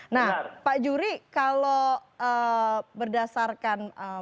nah pak juri kalau berdasarkan